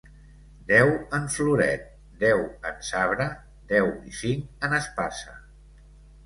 Deu en floret, deu en sabre deu i cinc en espasa.